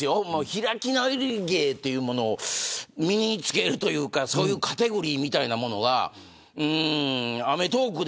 開き直り芸というものを身につけるというかそういうカテゴリみたいなものはアメトーーク！